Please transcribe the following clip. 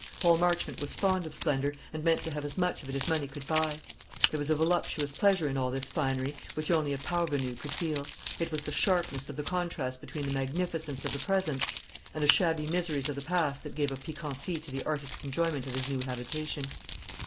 Paul Marchmont was fond of splendour, and meant to have as much of it as money could buy. There was a voluptuous pleasure in all this finery, which only a parvenu could feel; it was the sharpness of the contrast between the magnificence of the present and the shabby miseries of the past that gave a piquancy to the artist's enjoyment of his new habitation.